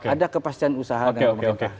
ada kepastian usaha dari pemerintah